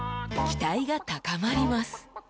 ［期待が高まります］